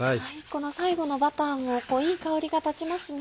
この最後のバターもいい香りが立ちますね。